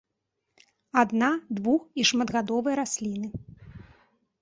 Адна-, двух- і шматгадовыя расліны.